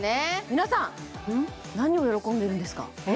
皆さん何を喜んでるんですか？